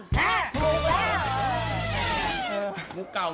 ถูกแล้ว